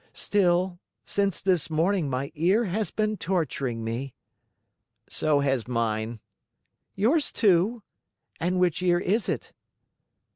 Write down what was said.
Still, since this morning my ear has been torturing me." "So has mine." "Yours, too? And which ear is it?"